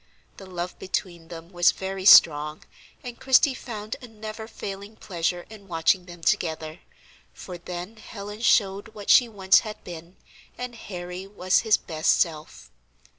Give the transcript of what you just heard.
The love between them was very strong, and Christie found a never failing pleasure in watching them together, for then Helen showed what she once had been, and Harry was his best self.